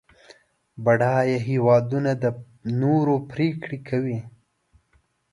بډایه هېوادونه د نورو پرېکړې کوي.